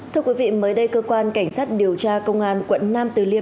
thưa quý vị mới đây cơ quan cảnh sát điều tra công an quận nam từ liêm